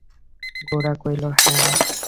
গোরা কহিল, হাঁ।